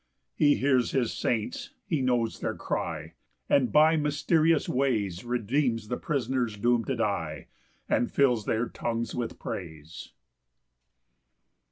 12 He hears his saints, he knows their cry, And by mysterious ways Redeems the prisoners doom'd to die, And fills their tongues with praise.